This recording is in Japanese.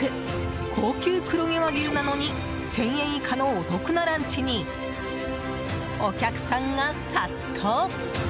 高級黒毛和牛なのに１０００円以下のお得なランチにお客さんが殺到。